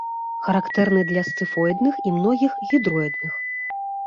Характэрны для сцыфоідных і многіх гідроідных.